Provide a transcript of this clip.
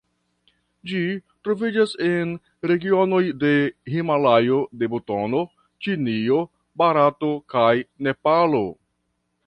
Ĝi troviĝas en regionoj de Himalajo de Butano, Ĉinio, Barato kaj Nepalo.